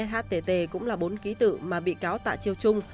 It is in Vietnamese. hstt cũng là bốn ký tự mà bị cáo tạ chiêu chung